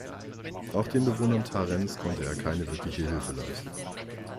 Auch den Bewohnern Tarents konnte er keine wirkliche Hilfe leisten.